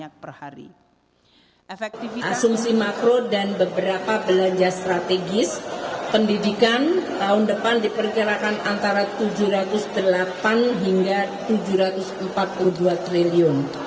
asumsi makro dan beberapa belanja strategis pendidikan tahun depan diperkirakan antara rp tujuh ratus delapan hingga rp tujuh ratus empat puluh dua triliun